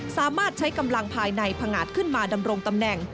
สามารถใช้กำลังภายในผงาดขึ้นมาดำรงตำแหน่ง